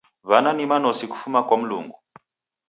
W'ana ni manosi kufuma kwa Mlungu.